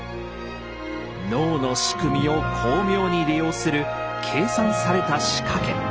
脳の仕組みを巧妙に利用する計算された「仕掛け」。